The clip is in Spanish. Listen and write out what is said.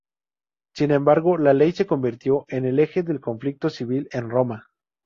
Sin embargo, la Ley se convirtió en el eje del conflicto civil en Roma.